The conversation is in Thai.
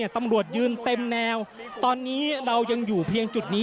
ตำรวจยืนเต็มแนวตอนนี้เรายังอยู่เพียงจุดนี้